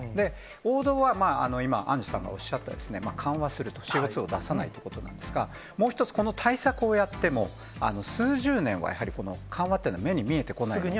王道は、今、アンジュさんがおっしゃった、緩和する、ＣＯ２を出さないということなんですが、もう一つ、この対策をやっても、数十年はやはり、この緩和っていうのは目に見えてこないので。